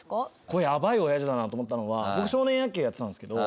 これヤバい親父だなと思ったのは僕少年野球やってたんですけど